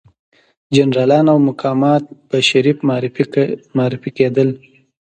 جنرالان او مقامات به شریف معرفي کېدل.